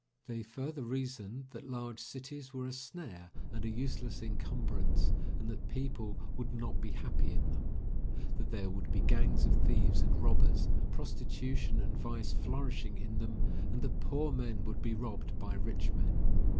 They further reasoned that large cities were a snare and a useless encumbrance, and that people would not be happy in them, that there would be gangs of thieves and robbers, prostitution and vice flourishing in them, and that poor men would be robbed by rich men.